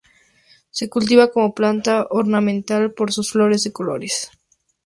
Se cultiva como planta ornamental por sus flores de colores.